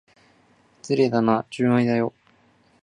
失礼だな、純愛だよ。